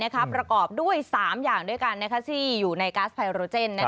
ประกอบด้วย๓อย่างด้วยกันที่อยู่ในก๊าซไพโรเจน